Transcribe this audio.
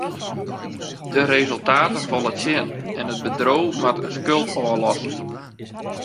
De resultaten falle tsjin en it bedriuw moat in skuld ôflosse.